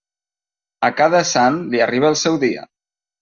A cada sant li arriba el seu dia.